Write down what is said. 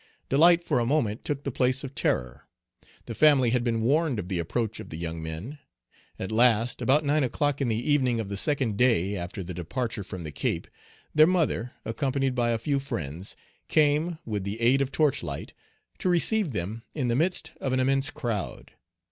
Delight for a moment took the place of terror. The family had been warned of the approach of the young men. At last, about nine o'clock in the evening of the second day after the departure from the Cape, their mother, accompanied by a few friends, came, with the aid of torch light, to receive them in the midst of an immense crowd.